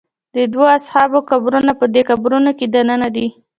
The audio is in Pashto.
د دوو اصحابو قبرونه په دې قبرونو کې دننه دي.